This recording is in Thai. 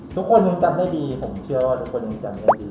ทุกคนยังจำได้ดีผมเชื่อว่าทุกคนยังจำได้ดี